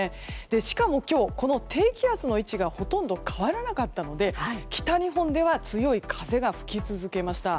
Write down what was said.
しかも今日、低気圧の位置がほとんど変わらなかったので北日本では強い風が吹き続けました。